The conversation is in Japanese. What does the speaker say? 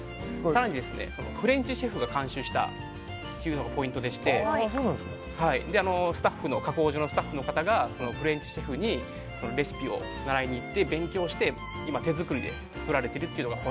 更にフレンチシェフが監修したのがポイントでして加工所のスタッフの方がフレンチシェフにレシピを習いにいって勉強してて、手作りで作られているという。